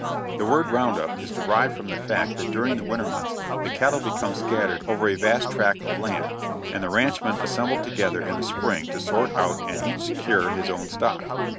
The word "round up" is derived from the fact that during the winter months the cattle become scattered over a vast tract of land, and the ranchmen assemble together in the spring to sort out and each secure his own stock.